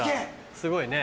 すごいね。